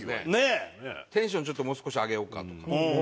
「テンションちょっともう少し上げようか」とか。